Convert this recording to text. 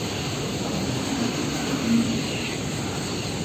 Amarás á tu prójimo como á ti mismo.